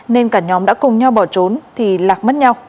nên cả nhóm đã cùng nhau bỏ trốn